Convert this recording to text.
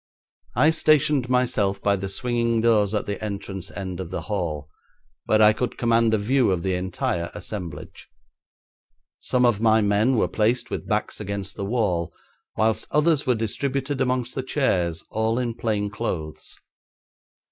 I stationed myself by the swinging doors at the entrance end of the hall, where I could command a view of the entire assemblage. Some of my men were placed with backs against the wall, whilst others were distributed amongst the chairs, all in plain clothes.